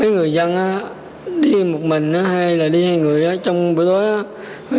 người dân đi một mình hay là đi hai người trong buổi tối